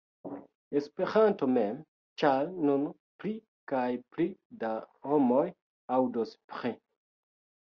Esperanto mem, ĉar nun pli kaj pli da homoj aŭdos pri